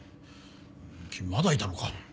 君まだいたのか。